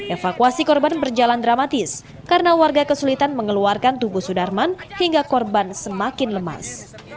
evakuasi korban berjalan dramatis karena warga kesulitan mengeluarkan tubuh sudarman hingga korban semakin lemas